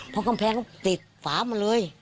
เพราะกำแพงเขาติดฝามาเลย